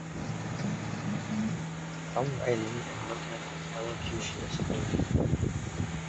Come right in and look at our elocutionist, Amy.